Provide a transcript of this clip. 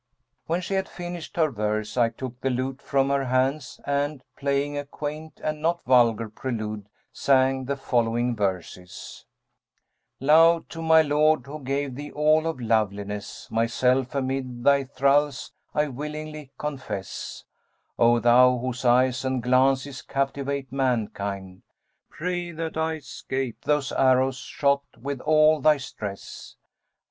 When she had finished her verse I took the lute from her hands and, playing a quaint and not vulgar prelude sang the following verses, 'Laud to my Lord who gave thee all of loveliness; * Myself amid thy thralls I willingly confess: O thou, whose eyes and glances captivate mankind, * Pray that I 'scape those arrows shot with all thy stress!